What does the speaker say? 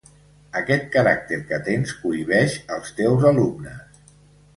Aquest caràcter que tens cohibeix els teus alumnes.